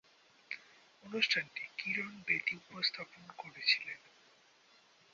অনুষ্ঠানটি কিরণ বেদী উপস্থাপন করেছিলেন।